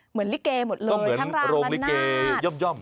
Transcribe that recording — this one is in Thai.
เหมือนลิเกหมดเลยทั้งราวนานาศใช่เหมือนโรงลิเกย้ย่อม